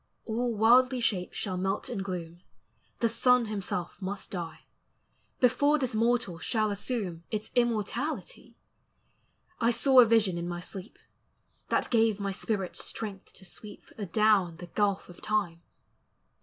All worldly shapes shall melt in gloom, The Sun himself must die, Before this mortal shall assume Its immortality! I saw a vision in my sleep, That gave my spirit strength to sweep • Adown the gulf of time